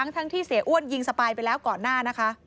ทั้งที่เสียอ้วนยิงสปายไปแล้วก่อนหน้านะคะ